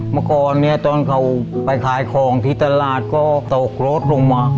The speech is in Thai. เมื่อก่อนเนี่ยตอนเขาไปขายของที่ตลาดก็ตกรถลงมา